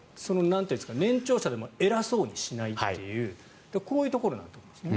年長者でも偉そうにしないというこういうところなんですね。